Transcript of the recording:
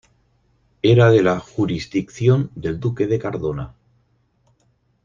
Era de la jurisdicción del duque de Cardona.